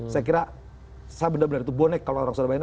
saya kira saya benar benar itu bonek kalau orang surabaya